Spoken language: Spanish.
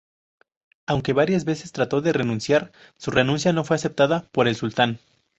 Aunque varias veces trató de renunciar, su renuncia no fue aceptada por el sultán.